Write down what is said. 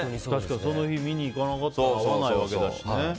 その日見に行かなかったら会わないわけだしね。